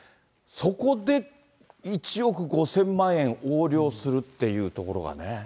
そこで１億５０００万円横領するっていうところがね。